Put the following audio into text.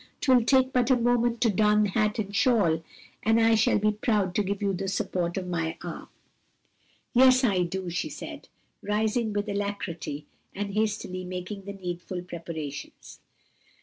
"'Twill take but a moment to don hat and shawl, and I shall be proud to give you the support of my arm." "Yes, I do," she said, rising with alacrity and hastily making the needful preparations.